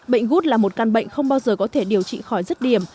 bệnh gút là một căn bệnh không bao giờ có thể điều trị khỏi rất điểm